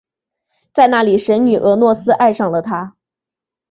在那里神女俄诺斯爱上了他。